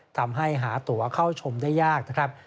ทำให้หาตัวเข้าชมได้ยากนะครับ